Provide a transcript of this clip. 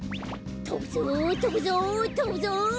とぶぞとぶぞとぶぞ！